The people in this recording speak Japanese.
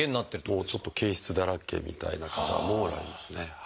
もうちょっと憩室だらけみたいな方もおられますね。